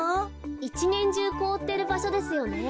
いちねんじゅうこおってるばしょですよね。